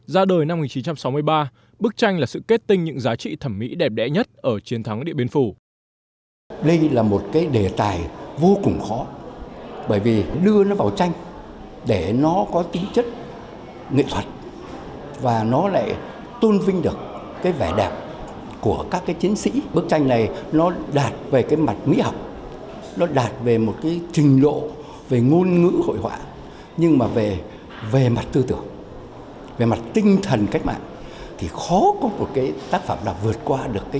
ra đời năm một nghìn chín trăm sáu mươi ba bức tranh là sự kết tinh những giá trị thẩm mỹ đẹp đẽ nhất ở chiến thắng điện biên phủ